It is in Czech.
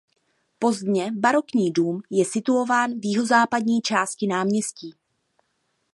Pozdně barokní dům je situován v jihozápadní části náměstí.